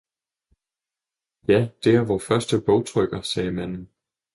"Ja, det er vor første bogtrykker!" sagde manden.